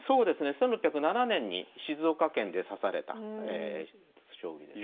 １６０７年に静岡県で指された将棋ですね。